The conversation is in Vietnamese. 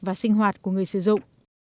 và sinh hoạt của người sử dụng